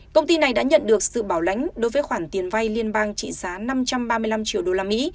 công ty này đã nhận được sự bảo lãnh đối với khoản tiền vay liên bang trị giá năm trăm ba mươi năm triệu usd